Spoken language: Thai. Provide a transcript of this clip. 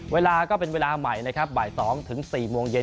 เวลาก็เป็นเวลาใหม่นะครับบ่าย๒ถึง๔โมงเย็น